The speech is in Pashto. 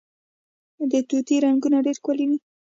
د طوطي رنګونه ډیر ښکلي وي